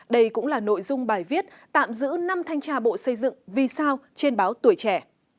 đây cũng là nội dung bài viết tạm giữ năm thanh tra bộ xây dựng vì sao trên báo tuổi trẻ